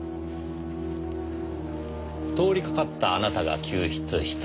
通りかかったあなたが救出した。